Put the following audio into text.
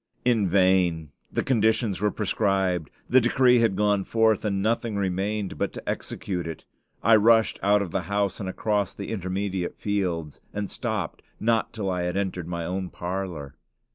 In vain. The conditions were prescribed; the decree had gone forth, and nothing remained but to execute it. I rushed out of the house and across the intermediate fields, and stopped not till I entered my own parlor.